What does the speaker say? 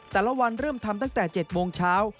แต่ละวันเริ่มทำตั้งแต่๗โมงเช้า